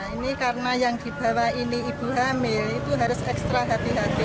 ini karena yang dibawa ini ibu hamil itu harus ekstra hati hati